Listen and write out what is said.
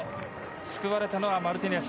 救われたのはマルティネス。